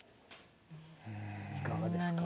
いかがですか？